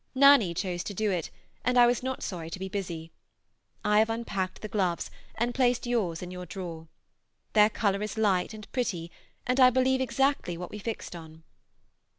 Nanny chose to do it, and I was not sorry to be busy. I have unpacked the gloves, and placed yours in your drawer. Their color is light and pretty, and I believe exactly what we fixed on.